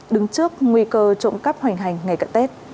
đứng trước nguy cơ trộm cắp hoành hành ngày cận tết